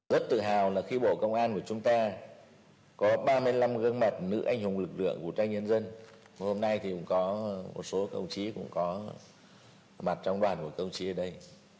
rất tự hào là khi bộ công an của chúng ta có ba mươi năm gương mặt nữ anh hùng lực lượng vũ trang nhân dân hôm nay thì cũng có một số công chí cũng có mặt trong đoàn của công chí ở đây